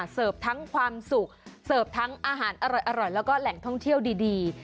เสิร์ฟทั้งความสุขเสิร์ฟทั้งอาหารอร่อยแล้วก็แหล่งท่องเที่ยวดี